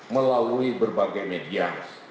melalui berbagai media